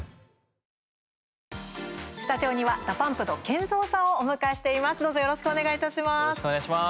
スタジオにはＤＡＰＵＭＰのＫＥＮＺＯさんをお迎えしています。